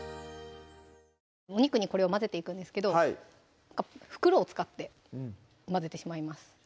お肉にこれを混ぜていくんですけど袋を使って混ぜてしまいます